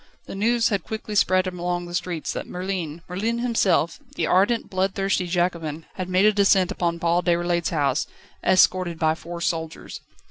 The news had quickly spread along the streets that Merlin, Merlin himself, the ardent, bloodthirsty Jacobin, had made a descent upon Paul Déroulède's house, escorted by four soldiers.